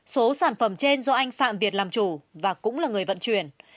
số sản phẩm trên do anh phạm việt làm chủ và cũng là người vận chuyển